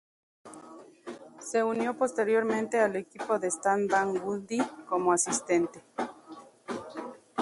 Se unió posteriormente al equipo de Stan Van Gundy como asistente.